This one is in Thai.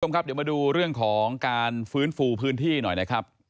คุณผู้ชมครับเดี๋ยวมาดูเรื่องของการฟื้นฟูพื้นที่หน่อยนะครับ